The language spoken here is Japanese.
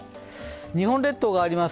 日本列島があります